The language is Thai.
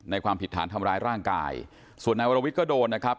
ความผิดฐานทำร้ายร่างกายส่วนนายวรวิทย์ก็โดนนะครับ